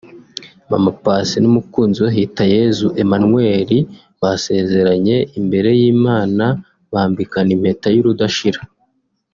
Mama Paccy n’umukunzi we Hitayezu Emmanuel basezeranye imbere y’Imana bambikana impeta y’urudashira